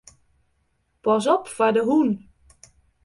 Pas op foar de hûn.